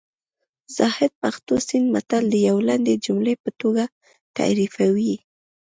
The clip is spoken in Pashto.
زاهد پښتو سیند متل د یوې لنډې جملې په توګه تعریفوي